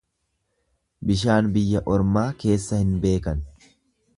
Bishaan biyya ormaa keessa hin beekan.